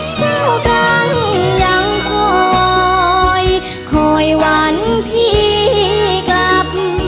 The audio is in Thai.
สู้กันยังคอยคอยหวันพี่กลับ